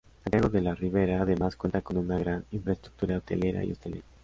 Santiago de la Ribera además cuenta con una gran infraestructura hotelera y hostelera.